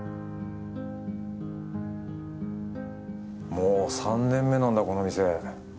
もう３年目なんだこの店。